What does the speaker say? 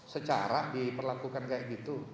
secara diperlakukan kayak gitu